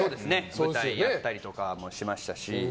舞台やったりもしましたし。